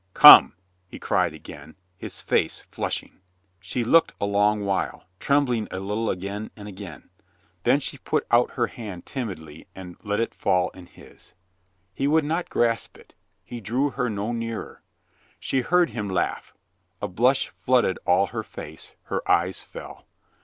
"Come!" he cried again, his face flushing. She looked a long while, trembling a little again and again. Then she put out her hand timidly and let it fall in his. He would not grasp it, he drew 28o COLONEL GREATHEART her no nearer. She heard him laugh. A blush flooded all her face, her eyes fell.